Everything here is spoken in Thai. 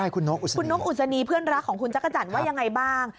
คุณนกคุณนกอุศนีเพื่อนรักของคุณจักรจันทร์ว่ายังไงบ้าง